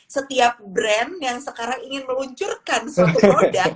setiap brand yang sekarang ingin meluncurkan suatu produk